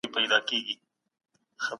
موږ وخت ته ارزښت ورکوو.